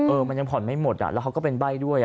เออมันยังผ่อนไม่หมดนะครับแล้วก็เป็นใบ้ด้วย